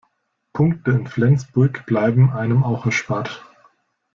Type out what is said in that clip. Punkte in Flensburg bleiben einem auch erspart.